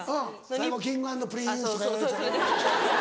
最後「Ｋｉｎｇ＆Ｐｒｉｎｃｅ」とかやるやつやろ。